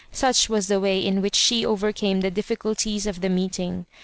Such was the way in which she overcame the difficulties of the meeting.